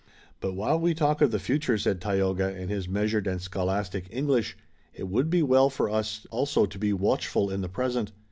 "But while we talk of the future," said Tayoga in his measured and scholastic English, "it would be well for us also to be watchful in the present.